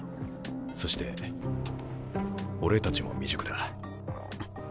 そして俺たちも未熟だ。